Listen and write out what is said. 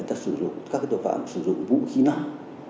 các cái tội phạm sử dụng vũ khí năng